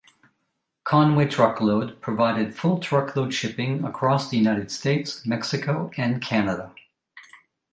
Con-way Truckload provided full truckload shipping across the United States, Mexico and Canada.